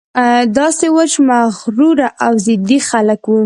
داسې وچ مغروره او ضدي خلک وو.